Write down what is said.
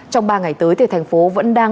trong ba ngày tới thành phố vẫn đang